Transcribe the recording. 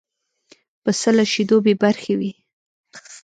پسه له شیدو بې برخې وي.